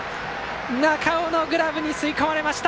中尾のグラブに吸い込まれました。